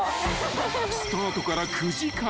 ［スタートから９時間］